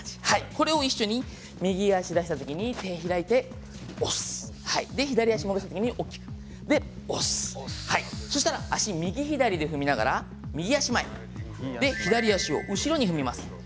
これを一緒に右足出したときに手を開いてオッス左足戻したときに大きくオッス足、右左踏みながら右足前、左足を後ろに踏みます。